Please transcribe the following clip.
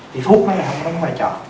thì phút nó là không có cái vai trò